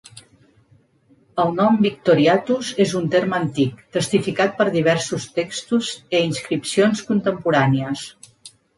El nom "victoriatus" és un terme antic, testificat per diversos textos e inscripcions contemporànies.